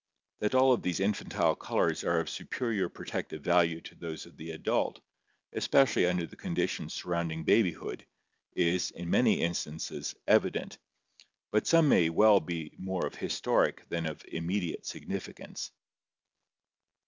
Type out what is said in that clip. That all of these infantile colors are of superior protec tive value to those of the adult, especially under the conditions sur rounding babyhood, is, in many instances, evident, but some may well be more of historic than of immediate significance.